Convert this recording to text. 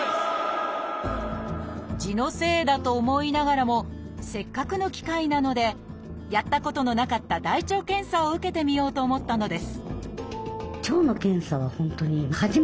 痔のせいだと思いながらもせっかくの機会なのでやったことのなかった大腸検査を受けてみようと思ったのです